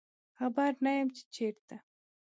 خبر نه یمه چې چیرته